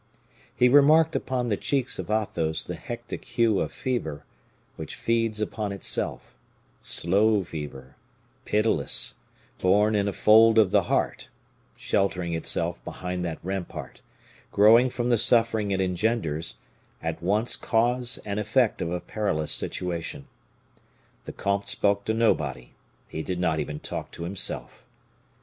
He remarked upon the cheeks of Athos the hectic hue of fever, which feeds upon itself; slow fever, pitiless, born in a fold of the heart, sheltering itself behind that rampart, growing from the suffering it engenders, at once cause and effect of a perilous situation. The comte spoke to nobody; he did not even talk to himself.